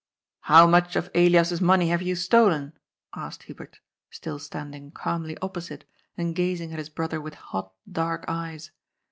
" How much of Elias's money have you stolen ?" asked Hubert, still standing calmly opposite and gazing at his brother with hot, dark eyes.